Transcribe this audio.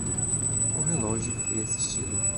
O relógio foi assistido.